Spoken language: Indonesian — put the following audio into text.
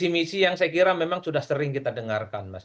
visi misi yang saya kira memang sudah sering kita dengarkan mas